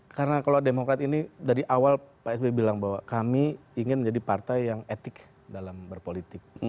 karena kalau demokrat ini dari awal pak sby bilang bahwa kami ingin menjadi partai yang etik dalam berpolitik